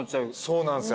そうなんすよ。